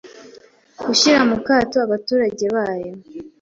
gushyira mu kato abaturage bayo